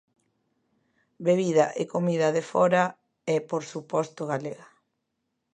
Bebida e comida de fóra e, por suposto, galega.